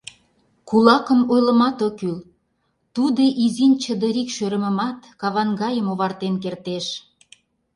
Кулакым ойлымат ок кӱл, тудо изин чыдырик шӧрымымат каван гайым овартен кертеш